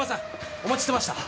お待ちしてました。